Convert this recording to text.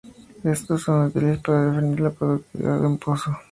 Estos son útiles para definir la productividad de un pozo.